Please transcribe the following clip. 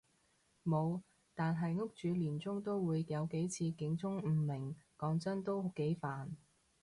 無，但係屋主年中會有幾次警鐘誤鳴，講真都幾煩